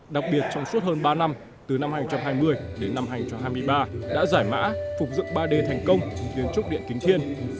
đặc biệt trong suốt hơn ba năm từ năm hai nghìn hai mươi đến năm hai nghìn hai mươi ba đã giải mã phục dựng ba d thành công kiến trúc điện kính thiên